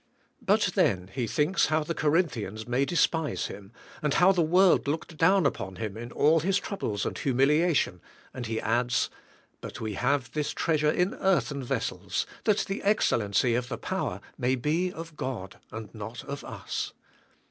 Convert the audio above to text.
But then he thinks how the Corinthians may despise him, how the world looked down upon him in all his troubles and humiliation, and he adds, *'But we have this treasure in earthen vessels, that the excellency of the power may be of God and not of us."